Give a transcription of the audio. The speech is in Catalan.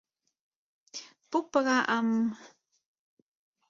Puc pagar amb...?